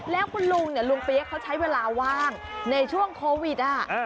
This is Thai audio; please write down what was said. และคุณลูกปี้เขาใช้เวลาว่างในช่วงโควิดอ่ะ